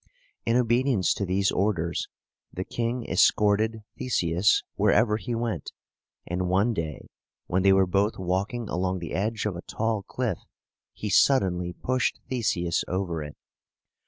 In obedience to these orders, the king escorted Theseus wherever he went; and one day, when they were both walking along the edge of a tall cliff, he suddenly pushed Theseus over it.